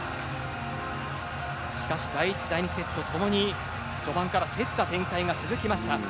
しかし、第１、第２セットともに序盤から競った展開が続きました。